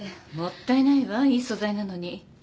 もったいないわいい素材なのに。